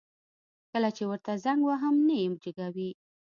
کله چي ورته زنګ وهم نه يي جګوي